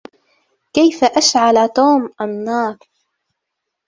كيف أشعل توم النار ؟